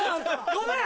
ごめん！